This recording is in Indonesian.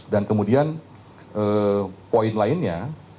dan kemudian poin lainnya